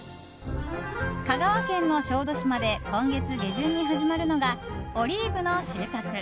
香川県の小豆島で今月下旬に始まるのがオリーブの収穫。